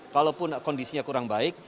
kalaupun kondisinya kurang baik